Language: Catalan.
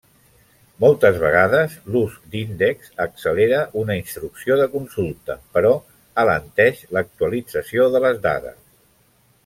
Moltes vegades, l'ús d'índexs accelera una instrucció de consulta, però alenteix l'actualització de les dades.